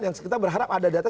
yang kita berharap ada data